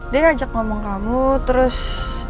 dia ngajak ngomong kamu terus